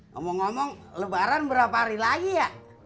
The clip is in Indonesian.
ngomong ngomong lebaran berapa hari lagi ya